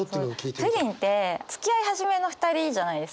プリンってつきあい始めの２人じゃないですか。